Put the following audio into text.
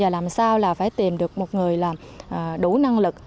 làm sao là phải tìm được một người làm đủ năng lực